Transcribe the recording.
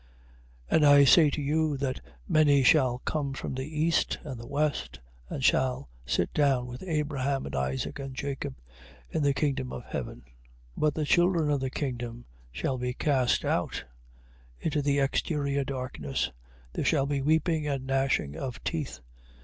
8:11. And I say to you that many shall come from the east and the west, and shall sit down with Abraham, and Isaac and Jacob in the kingdom of heaven: 8:12. But the children of the kingdom shall be cast out into the exterior darkness: there shall be weeping and gnashing of teeth.